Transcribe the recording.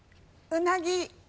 うなぎ。